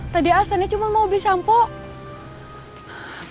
tadi asalnya cuma mau beli shampoo